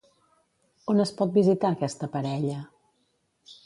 On es pot visitar aquesta parella?